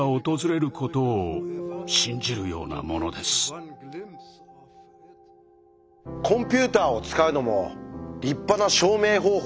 ただコンピューターを使うのも立派な証明方法です。